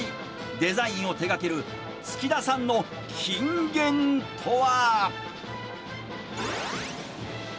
デザインを手がける月田さんの金言とは。